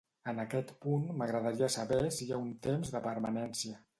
En aquest punt, m'agradaria saber si hi ha un temps de permanència.